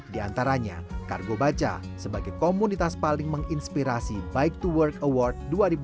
di antaranya kargo baca sebagai komunitas paling menginspirasi bike to work award dua ribu dua puluh